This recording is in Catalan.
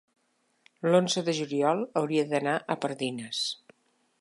l'onze de juliol hauria d'anar a Pardines.